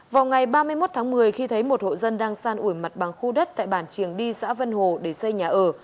vào ngày ba mươi một tháng một mươi khi thấy một hộ dân đang san ủi mặt bằng khu đất tại bản triềng đi xã vân hồ để xây nhà ở